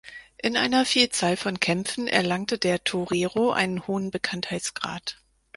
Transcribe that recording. In einer Vielzahl von Kämpfen erlangte der Torero einen hohen Bekanntheitsgrad.